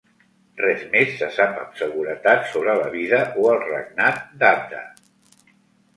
Res més se sap amb seguretat sobre la vida o el regnat d'Adda.